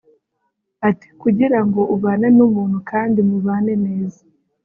Ati “ Kugira ngo ubane n’umuntu kandi mubane neza